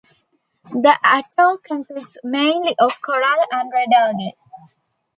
The atoll consists mainly of coral and red algae.